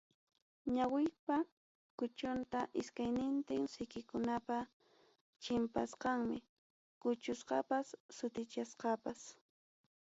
Ñawipa kuchunqa iskaynintin siqikunapa chimpasqanmi, kuchusqapas sutichasqapas.